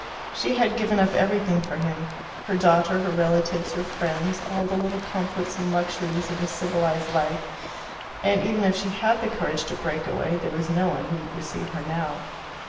She had given up everything for him her daughter, her relatives, her friends, all the little comforts and luxuries of a civilized life and even if she had the courage to break away, there was no one who would receive her now.